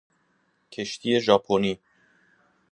کشتی ژاپنی